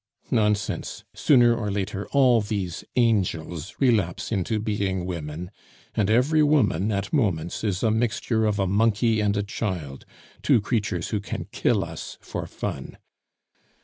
"Nonsense! Sooner or later all these angels relapse into being women, and every woman at moments is a mixture of a monkey and a child, two creatures who can kill us for fun.